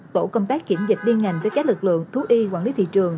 tổ công tác kiểm dịch điên ngành với các lực lượng thuốc y quản lý thị trường